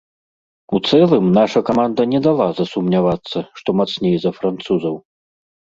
У цэлым, наша каманда не дала засумнявацца, што мацней за французаў.